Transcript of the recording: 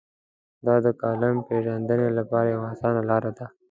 دا د کالم پېژندنې لپاره یوه اسانه لار ده.